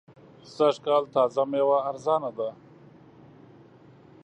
سږ کال تازه مېوه ارزانه ده.